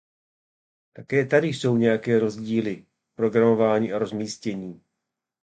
Také tady jsou nějaké rozdíly v programování a rozmístění.